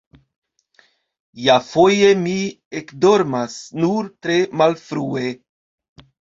Iafoje mi ekdormas nur tre malfrue.